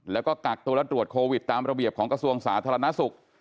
แล้วก็กักตัวและตรวจโควิดตามระเบียบของกระทรวงสาธารณสุข